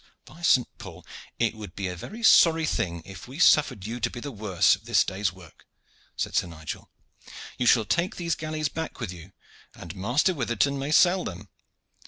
"By St. Paul! it would be a very sorry thing if we suffered you to be the worse of this day's work," said Sir Nigel. "You shall take these galleys back with you, and Master Witherton may sell them.